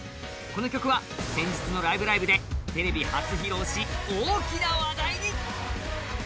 この曲は、先日の「ライブ！ライブ！」でテレビ初披露し大きな話題に。